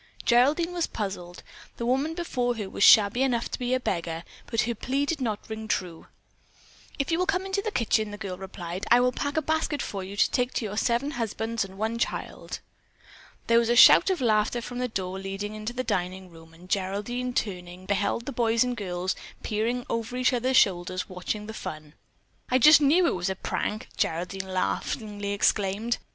Geraldine was puzzled. The woman before her was shabby enough to be a beggar, but her plea did not ring true. "If you will come into the kitchen," the girl replied, "I will pack a basket for you to take to your seven husbands and one child." There was a shout of laughter from the door leading into the dining room, and Geraldine, turning, beheld the boys and girls peering over each other's shoulders watching the fun. "I just knew it was a prank," Geraldine laughingly exclaimed.